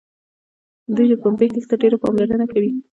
دوی د پنبې کښت ته ډېره پاملرنه کوي.